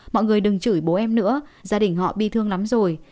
mọi người đừng chửi bố em nữa gia đình họ bị thương lắm rồi